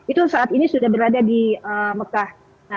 itu saat ini sudah berada di mekah